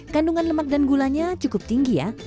kandungan lemak dan gulanya cukup tinggi ya